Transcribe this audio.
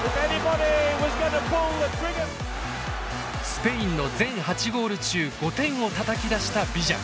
スペインの全８ゴール中５点をたたき出したビジャ。